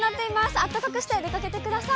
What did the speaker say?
あったかくして出かけてください。